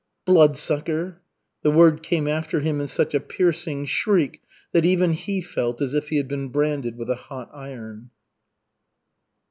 "Bloodsucker!" The word came after him in such a piercing shriek that even he felt as if he had been branded with a hot iron.